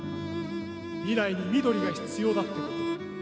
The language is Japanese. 未来に緑が必要だってこと。